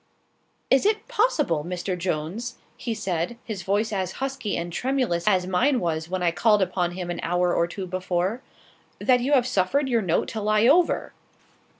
"Is it possible, Mr. Jones," he said, his voice as husky and tremulous as mine was when I called upon him an hour or two before, "that you have suffered your note to lie over!"